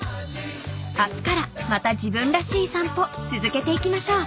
［明日からまた自分らしい散歩続けていきましょう］